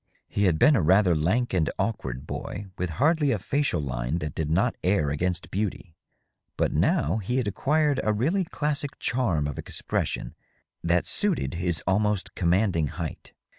He had been a rather lank and awkward boy, with hardly a facial line that did not err against beauty. But now he had acquired a really classic charm of expression that suited his almost commanding height.